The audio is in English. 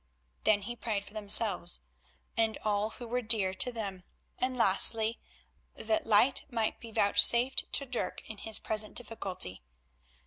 Then he prayed for themselves and all who were dear to them, and lastly, that light might be vouchsafed to Dirk in his present difficulty.